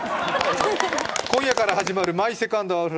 今夜から始まる「マイ・セカンド・アオハル」